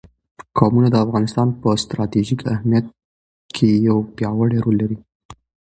قومونه د افغانستان په ستراتیژیک اهمیت کې یو پیاوړی رول لري.